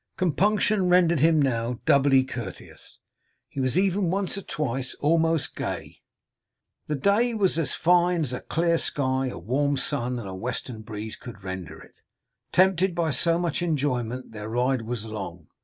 Compunction rendered him now doubly courteous; he was even once or twice almost gay. The day was as fine as a clear sky, a warm sun, and a western breeze could render it. Tempted by so much enjoyment, their ride was long.